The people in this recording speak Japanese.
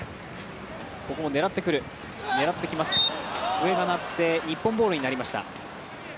笛が鳴って、日本ボールになりました。